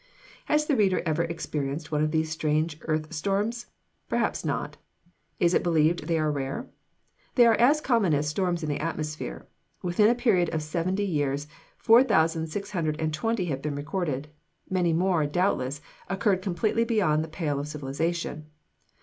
Has the reader ever experienced one of these strange earthstorms? Perhaps not. Is it believed they are rare? They are as common as storms in the atmosphere. Within a period of seven years, four thousand six hundred and twenty have been recorded. Many more, doubtless, occurred completely beyond the pale of civilization.